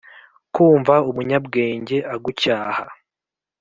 Kumva umunyabwenge agucyaha